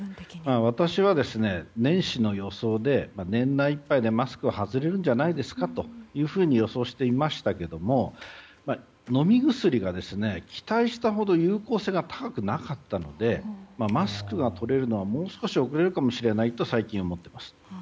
私は年始の予想で年内いっぱいでマスクは外れるんじゃないかと予想していましたけれども飲み薬が期待したほど有効性が高くなかったのでマスクが取れるのはもう少し遅れるかもしれないと最近は思っています。